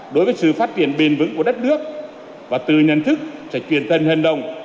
đối với sự phát triển bền vững của đất nước và từ nhận thức sẽ truyền thần hình đồng